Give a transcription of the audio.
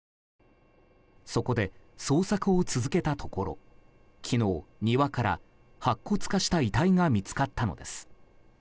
そこで捜索を続けたところ昨日、庭から白骨化した遺体が見つかったのです。